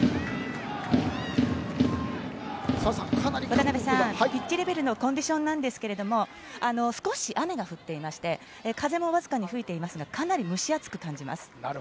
渡辺さん、ピッチレベルのコンディションですが少し雨が降っていて風もわずかに吹いていますがかなり蒸し暑く感じます。